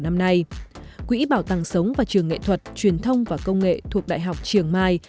năm nay quỹ bảo tàng sống và trường nghệ thuật truyền thông và công nghệ thuộc đại học triềng mai